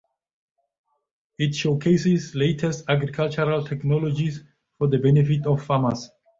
It showcases latest agricultural technologies for the benefit of farmers.